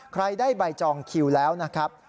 ใครได้ใบจองคิวแล้วนะครับ